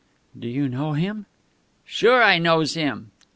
"Do you know him?" "Sure, I knows him."